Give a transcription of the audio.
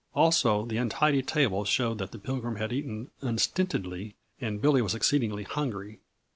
Also, the untidy table showed that the Pilgrim had eaten unstintedly and Billy was exceedingly hungry.